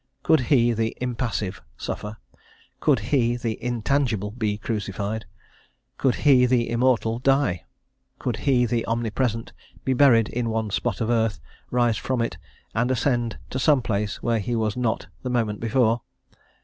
Could He, the impassive, suffer? could He, the intangible, be crucified? could He, the immortal, die? could He, the omnipresent, be buried in one spot of earth, rise from it, and ascend to some place where he was not the moment before?